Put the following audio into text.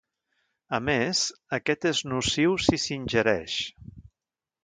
A més, aquest és nociu si s'ingereix.